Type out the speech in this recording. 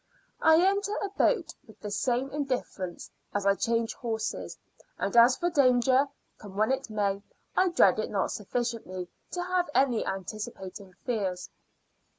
I enter a boat with the same indifference as I change horses; and as for danger, come when it may, I dread it not sufficiently to have any anticipating fears.